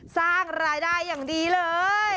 สร้างรายได้อย่างดีเลย